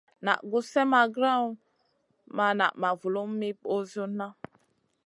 Naʼ gus slèʼ ma grewn ma naʼ ma vulum mi ɓosionna.